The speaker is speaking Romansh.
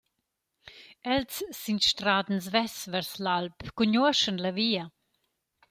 Els s’instradan svess vers l’alp, cugnuoschan la via.